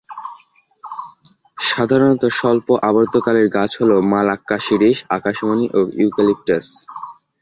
সাধারণত স্বল্প আবর্তকালের গাছ হলো মালাক্কা শিরীষ, আকাশমণি ও ইউক্যালিপটাস।